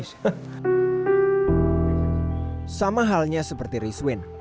sama halnya seperti rizwin